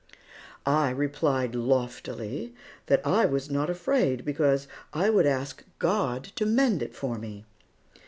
I replied loftily that I was not afraid, because I would ask God to mend it for me.